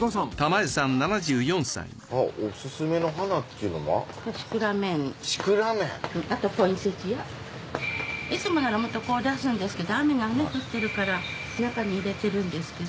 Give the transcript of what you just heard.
いつもならもっと出すんですけど雨がね降ってるから中に入れてるんですけど。